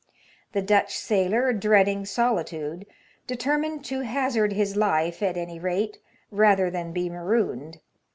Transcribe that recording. The Dutch sailor, dreading solitude, determined to hazard his life, at any rate, rather than be marooned.